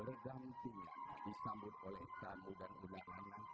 bergantinya disambut oleh tamu dan undang undang